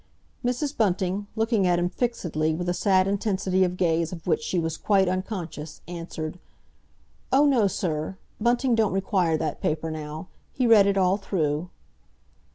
Mrs. Bunting, looking at him fixedly, with a sad intensity of gaze of which she was quite unconscious, answered, "Oh, no, sir! Bunting don't require that paper now. He read it all through."